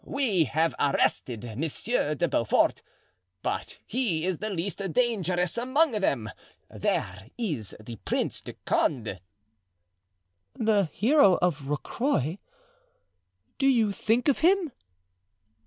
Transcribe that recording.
We have arrested Monsieur de Beaufort, but he is the least dangerous among them. There is the Prince de Condé——" "The hero of Rocroy. Do you think of him?"